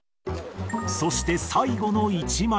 そして最後の１枚。